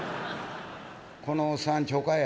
『このおっさんちょかや？』。